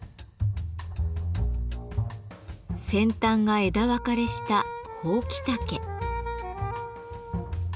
先端が枝分かれしたホウキタケ。